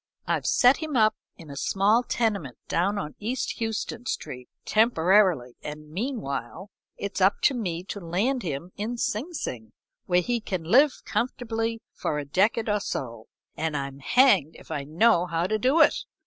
"I've set him up in a small tenement down on East Houston Street temporarily, and meanwhile, it's up to me to land him in Sing Sing, where he can live comfortably for a decade or so, and I'm hanged if I know how to do it.